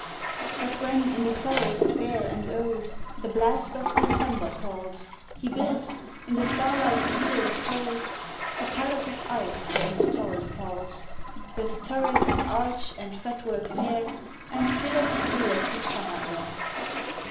But when, in the forest bare and old, The blast of December calls, He builds, in the starlight clear and cold, A palace of ice where his torrent falls, With turret, and arch, and fretwork fair, And pillars blue as the summer air.